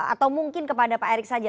atau mungkin kepada pak erick saja